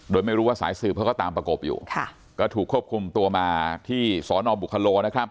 โดยไม่รู้ว่าสายสืบเขาก็ตานประกบอยู่ค่ะก็ถูกควบคุมตัวมาที่สร